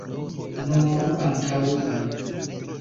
Nur antaŭen.